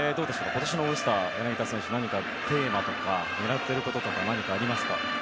今年のオールスター、柳田選手何かテーマとか狙っていることとか何かありますか？